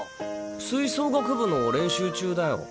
吹奏楽部の練習中だよ。